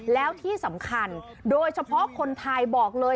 แล้วที่สำคัญโดยเฉพาะคนไทยบอกเลย